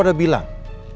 jatuh inidriver di sini